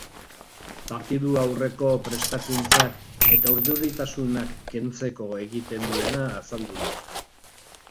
Partidu aurreko prestakuntzak eta urduritasunak kentzeko egiten duena azaldu du.